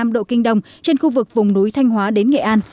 một trăm linh năm độ kinh đông trên khu vực vùng núi thanh hóa đến nghệ an